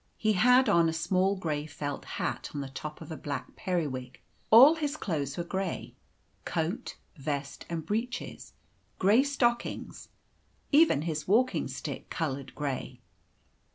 He had on a small grey felt hat on the top of a black periwig: all his clothes were grey coat, vest, and breeches, grey stockings even his walking stick coloured grey.